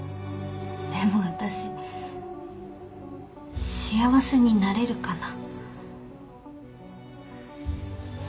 でもあたし幸せになれるかな